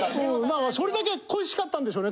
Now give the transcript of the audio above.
それだけ恋しかったんでしょうね。